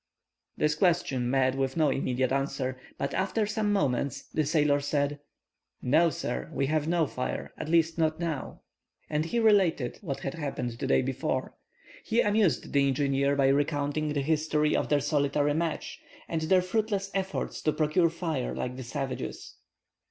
This question met with no immediate answer. But after some moments the sailor said:— "No, sir, we have no fire; at least, not now." And be related what had happened the day before. He amused the engineer by recounting the history of their solitary match, and their fruitless efforts to procure fire like the savages.